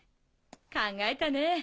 考えたねぇ。